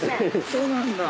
そうなんだ。